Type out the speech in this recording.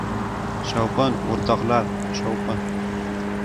— Shovqin, o‘rtoqlar, shovqin!